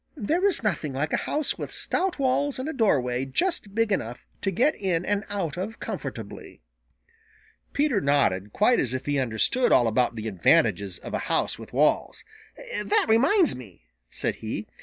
There is nothing like a house with stout walls and a doorway just big enough to get in and out of comfortably." Peter nodded quite as if he understood all about the advantages of a house with walls. "That reminds me," said he.